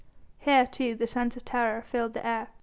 Here too the sense of terror filled the air.